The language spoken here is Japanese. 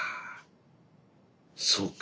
そうか。